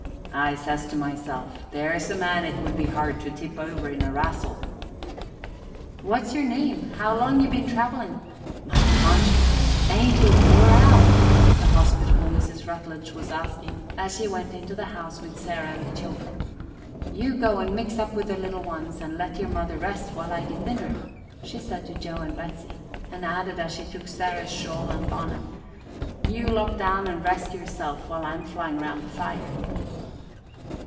"I says to myself, 'There's a man it would be hard to tip over in a rassle.'" "What's yer name? How long ye been travelin'? My conscience! Ain't ye wore out?" the hospitable Mrs. Rutledge was asking as she went into the house with Sarah and the children. "You go and mix up with the little ones and let yer mother rest while I git dinner," she said to Joe and Betsey, and added as she took Sarah's shawl and bonnet: "You lop down an' rest yerself while I'm flyin' around the fire."